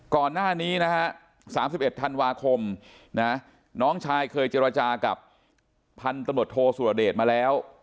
ก่อนหน้านี้นะฮะ๓๑ธันวาคมนะน้องชายเคยเจรจากับพันธุ์ตำรวจโทสุรเดชมาแล้ว